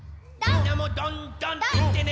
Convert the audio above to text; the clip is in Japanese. みんなも「どん！どん！」っていってね！